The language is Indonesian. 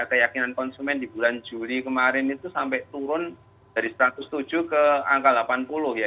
keyakinan konsumen di bulan juli kemarin itu sampai turun dari satu ratus tujuh ke angka delapan puluh ya